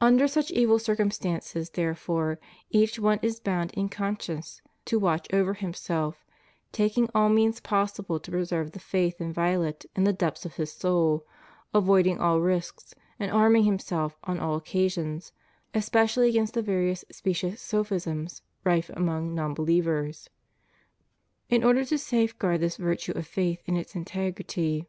Under such evil circumstances therefore each one is bound in conscience to watch over himself, taking all means possible to preserve the faith inviolate in the depths of his soul, avoiding all risks, and arming himself on all occasions, especially against the various specious sophisms rife among non believers. In order to safeguard this virtue of faith in its integrity.